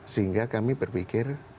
sehingga kami berpikir